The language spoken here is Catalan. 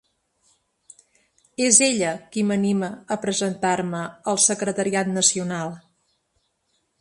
És ella qui m’anima a presentar-me al secretariat nacional.